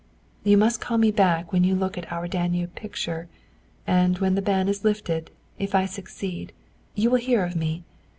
"You must call me back when you look at our Danube picture, and, when the ban is lifted, if I succeed, you will hear of me.